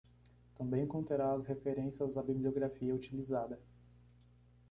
Também conterá as referências à bibliografia utilizada.